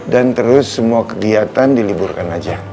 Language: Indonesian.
dan terus semua kegiatan diliburkan saja